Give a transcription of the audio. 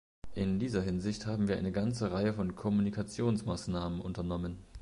In dieser Hinsicht haben wir eine ganze Reihe von Kommunikationsmaßnahmen unternommen.